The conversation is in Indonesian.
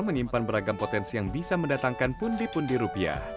menyimpan beragam potensi yang bisa mendatangkan pundi pundi rupiah